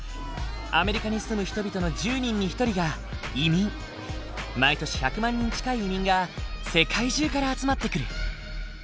アメリカに住む人々の毎年１００万人近い移民が世界中から集まってくる。